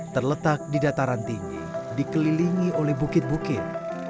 terletak di dataran tinggi dikelilingi oleh bukit bukit